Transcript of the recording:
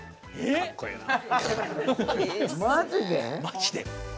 マジで！？